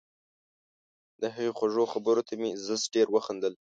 د هغې خوږو خبرو ته مې زښت ډېر وخندل